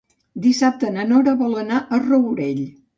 Dissabte na Nora vol anar al Rourell.